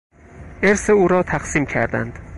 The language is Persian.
ارث او را تقسیم کردند.